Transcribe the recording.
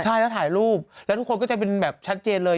ใช่แล้วถ่ายรูปแล้วทุกคนก็จะเป็นแบบชัดเจนเลย